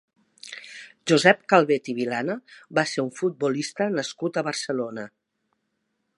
Josep Calvet i Vilana va ser un futbolista nascut a Barcelona.